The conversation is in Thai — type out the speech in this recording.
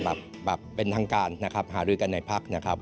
แบบเป็นทางการนะครับหารือกันในพักนะครับ